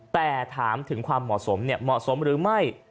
แต่ถามถึงความเหมาะสมเหมาะสมหรือไม่